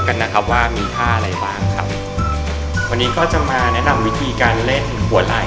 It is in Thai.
กันนะครับว่ามีผ้าอะไรบ้างครับวันนี้ก็จะมาแนะนำวิธีการเล่นหัวไหล่